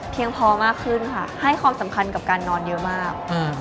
พอมากขึ้นค่ะให้ความสำคัญกับการนอนเยอะมาก